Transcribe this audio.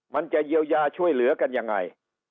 มันจะเยียวยาช่วยเหลือกันยังไง